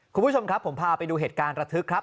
คุณผู้ชมครับผมพาไปดูเหตุการณ์ระทึกครับ